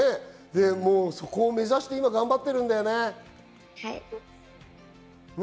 そこを目指して今、頑張ってるんだよね？